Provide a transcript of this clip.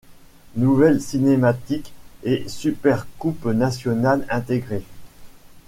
Nouvelles cinématiques et Super Coupes Nationales intégrées.